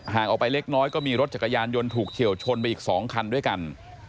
ออกไปเล็กน้อยก็มีรถจักรยานยนต์ถูกเฉียวชนไปอีก๒คันด้วยกัน